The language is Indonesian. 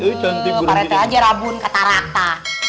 eh parete aja rabun kata rata